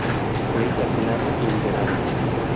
Fue encarcelado y liberado.